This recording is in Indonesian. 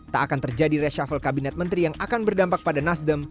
tak akan terjadi reshuffle kabinet menteri yang akan berdampak pada nasdem